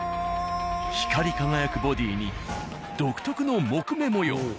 光り輝くボディーに独特の木目模様。